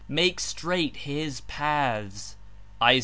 Make strai^^ht his paths'^ (Is.